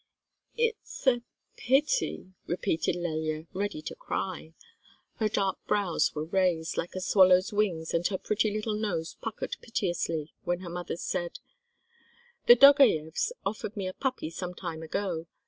"It's—a—pity," repeated Lelya, ready to cry. Her dark brows were raised, like a swallow's wings, and her pretty little nose puckered piteously, when her mother said: "The Dogayevs offered me a puppy some time ago.